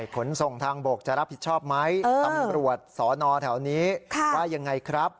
ขนส่งทางบกจะรับผิดชอบไหมตำรวจสอนอแถวนี้ว่ายังไงครับ